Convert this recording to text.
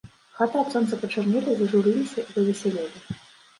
Хаты ад сонца пачарнелі, зажурыліся і павесялелі.